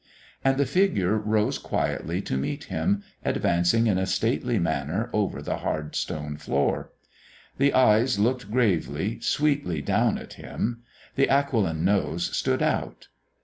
And the figure rose quietly to meet him, advancing in a stately manner over the hard stone floor. The eyes looked gravely, sweetly down at him, the aquiline nose stood out.